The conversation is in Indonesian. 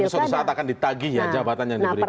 ini suatu saat akan ditagi ya jabatan yang diberikan